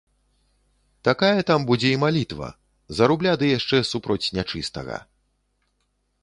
Такая там будзе і малітва, за рубля ды яшчэ супроць нячыстага.